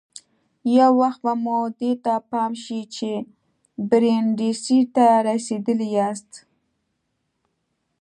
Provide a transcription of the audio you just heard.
یو وخت به مو دې ته پام شي چې برېنډېسي ته رسېدلي یاست.